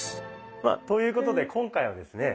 まあということで今回はですね